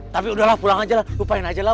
tapi udahlah pulang aja lah lupain aja lah